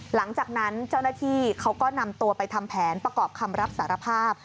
หลังจากนั้นเจ้าหน้าที่เขาก็นำตัวไปทำแผนประกอบคำรับสารภาพ